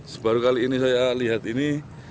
sebaru kali ini saya lihat ini